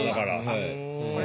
はい。